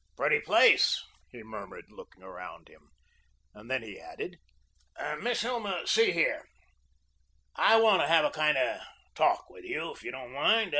"Pretty place," he muttered, looking around him. Then he added: "Miss Hilma, see here, I want to have a kind of talk with you, if you don't mind.